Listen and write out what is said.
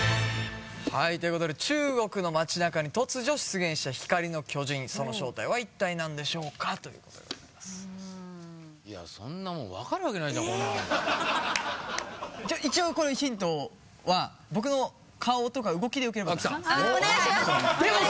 はいということで中国の街なかに突如出現した光の巨人その正体は一体何でしょうか？ということでございますいやそんなもんわかるわけないじゃんこんなのじゃあ一応これあっきたお願いします